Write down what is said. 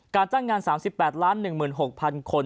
การจ้างงาน๓๘ล้าน๑๖๐๐๐คน